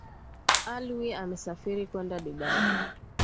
Alwi amesafiri kwenda dubai